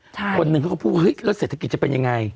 คนนึงเขาพูดว่าเศรษฐกิจจะเป็นยังไง